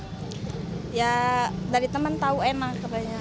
enggak dari temen tau enak sebenernya